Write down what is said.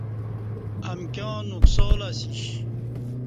امکیوں نکسالہ سیش